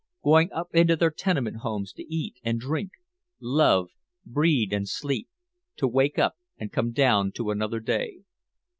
Going up into their tenement homes to eat and drink, love, breed and sleep, to wake up and come down to another day.